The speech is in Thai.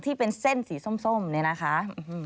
ที่เป็นเส้นสีส้มเนี่ยนะคะ